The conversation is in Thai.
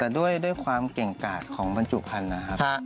แต่ด้วยความเก่งกาดของบรรจุพันธุ์นะครับ